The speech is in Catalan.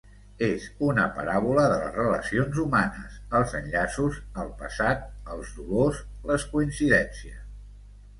És una paràbola de les relacions humanes, els enllaços, el passat, els dolors, les coincidències.